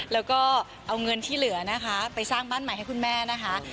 แล้วก็เอาเงินที่เหลือนะคะไปสร้างบ้านใหม่ให้คุณแม่นะคะ